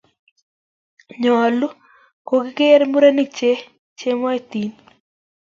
nyoluu kokirgei murenik che chemoitin